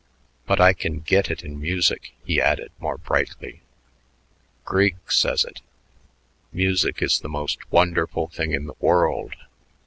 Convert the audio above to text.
But I can get it in music," he added more brightly. "Grieg says it. Music is the most wonderful thing in the world.